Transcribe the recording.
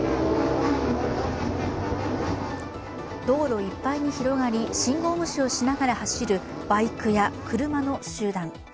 道路いっぱいに広がる信号無視をしながら走るバイクや車の集団。